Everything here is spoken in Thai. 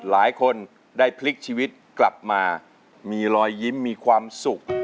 หลายคนได้พลิกชีวิตกลับมามีรอยยิ้มมีความสุข